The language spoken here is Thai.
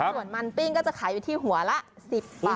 ส่วนมันปิ้งก็จะขายอยู่ที่หัวละ๑๐บาท